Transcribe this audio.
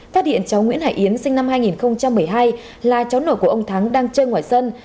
phát hiện cháu nguyễn hải yến sinh năm hai nghìn một mươi hai là cháu nội của ông thắng đang chơi ngoài sân